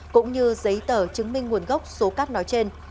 cũng như giấy tờ chứng minh nguồn gốc số cát nói trên